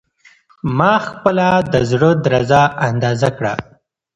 ما خپله د زړه درزا اندازه کړه.